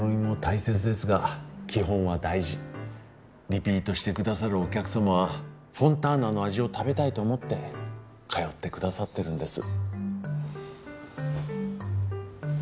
リピートしてくださるお客様はフォンターナの味を食べたいと思って通ってくださってるんです。